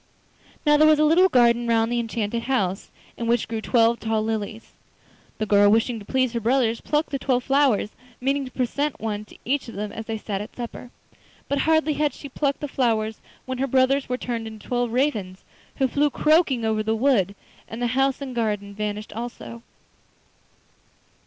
Now there was a little garden round the enchanted house, in which grew twelve tall lilies. The girl, wishing to please her brothers, plucked the twelve flowers, meaning to present one to each of them as they sat at supper. But hardly had she plucked the flowers when her brothers were turned into twelve ravens, who flew croaking over the wood, and the house and garden vanished also.